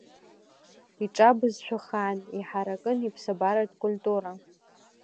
Иҿабызшәа хаан, иҳаракын иԥсабаратә культура.